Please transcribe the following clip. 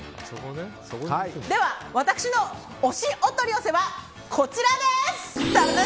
私の推しお取り寄せはこちら。